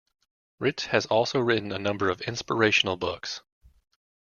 Ritz has also written a number of inspirational books.